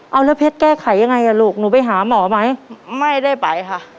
เอาแล้วเพชรแก้ไขยังไงอ่ะลูกหนูไปหาหมอไหมไม่ได้ไปค่ะ